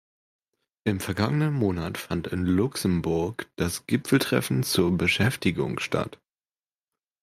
Im vergangenen Monat fand in Luxemburg das Gipfeltreffen zur Beschäftigung statt.